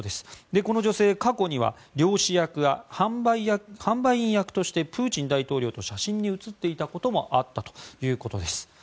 この女性、過去には漁師役や販売員役としてプーチン大統領と写真に写っていたこともあったということです。